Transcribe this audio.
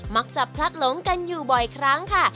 มักจะพลัดหลงกันอยู่บ่อยครั้งค่ะ